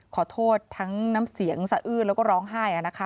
ขอโทษทั้งน้ำเสียงสะอื้นแล้วก็ร้องไห้